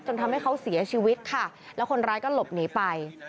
ทำให้เขาเสียชีวิตค่ะแล้วคนร้ายก็หลบหนีไป